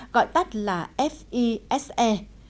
gọi tắt là fise